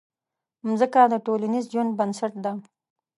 مځکه د ټولنیز ژوند بنسټ ده.